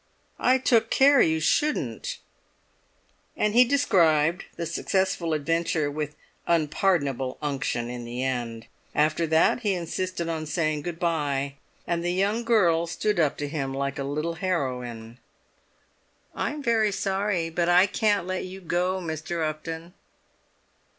"I took care you shouldn't." And he described the successful adventure with pardonable unction in the end. After that he insisted on saying goodbye. And the young girl stood up to him like a little heroine. "I'm very sorry, but I can't let you go, Mr. Upton."